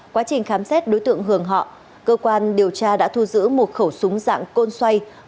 quá trình khám xét đối tượng hưởng họ cơ quan điều tra đã thu giữ một khẩu súng dạng côn xoay